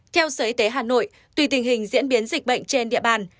theo sở y tế hà nội tùy tình hình diễn biến dịch bệnh trên địa bàn